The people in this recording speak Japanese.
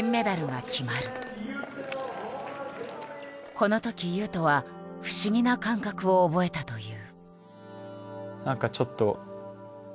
このとき雄斗は不思議な感覚を覚えたという。